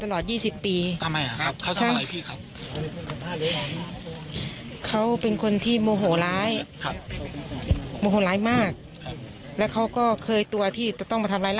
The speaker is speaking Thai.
เรื่องนี้นิดหนึ่งหน่อยเขาก็ลุงลือแล้วค่ะ